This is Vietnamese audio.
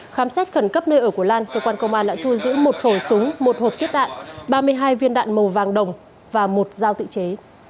khám xét khẩn cấp nơi ở của lan cơ quan công an đã thu giữ một khẩu súng một hộp kết đạn ba mươi hai viên đạn màu vàng đồng và một dao tự chế